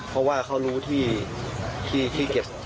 เพราะว่าเขารู้ที่เก็บ